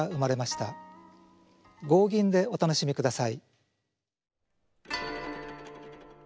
合吟でお楽しみください。